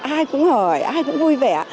ai cũng hỏi ai cũng vui vẻ